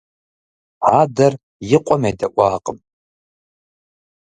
Адэр и къуэм едэӏуакъым.